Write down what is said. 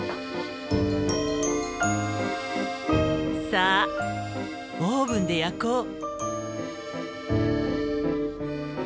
さあオーブンで焼こう。